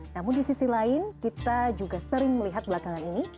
namun di sisi lain kita juga sering melihat belakangan ini